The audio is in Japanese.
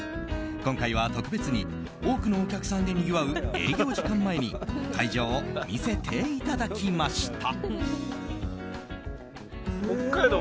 今回は特別に多くのお客さんでにぎわう営業時間前に会場を見せていただきました。